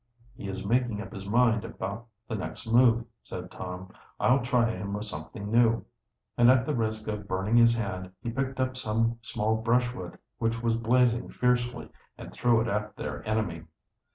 "He is making up his mind about the next move," said Tom. "I'll try him with something new." And at the risk of burning his hand, he picked up some small brushwood which was blazing fiercely and threw it at their enemy.